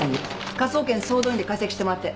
科捜研総動員で解析してもらって。